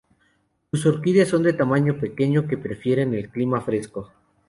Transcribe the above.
Son orquídeas de tamaño pequeño que prefieren el clima fresco.